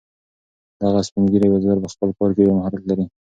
دغه سپین ږیری بزګر په خپل کار کې ډیر مهارت لري.